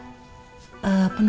gimana tuh kelanjutannya